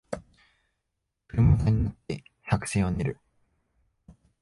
車座になって作戦を練る